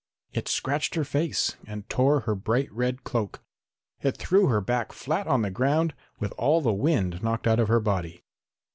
It scratched her face and tore her bright red cloak. It threw her back flat on the ground, with all the wind knocked out of her body.